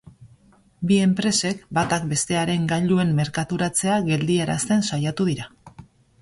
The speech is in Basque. Bi enpresek, batak bestearen gailuen merkaturatzea geldiarazten saiatu dira.